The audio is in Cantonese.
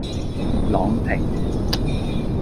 朗廷